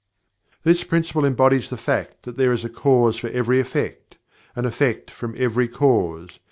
This Principle embodies the fact that there is a Cause for every Effect; an Effect from every Cause.